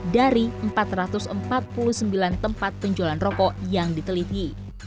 dari empat ratus empat puluh sembilan tempat penjualan rokok yang diteliti